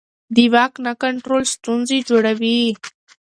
د واک نه کنټرول ستونزې جوړوي